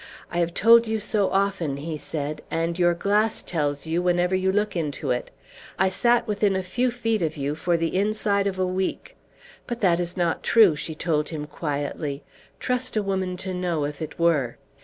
"I have told you so often," he said, "and your glass tells you whenever you look into it. I sat within a few feet of you for the inside of a week!" "But that is not true," she told him quietly; "trust a woman to know, if it were."